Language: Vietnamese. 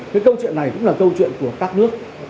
cái câu chuyện này cũng là câu chuyện của các nước